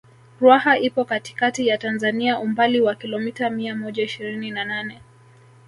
Ruaha ipo katikati ya Tanzania umbali wa kilomita mia moja ishirini na nane